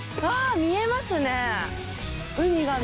見えますね。